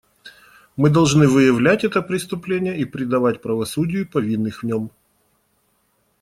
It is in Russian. Мы должны выявлять это преступление и предавать правосудию повинных в нем.